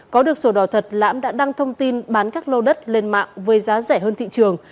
có được sổ đỏ thật lãm đã đăng thông tin bán các lô đất lên mạng với giá rẻ hơn thị trường